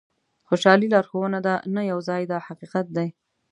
خوشالي لارښوونه ده نه یو ځای دا حقیقت دی.